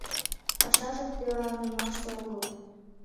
— Пашаже кӧранымаште огыл.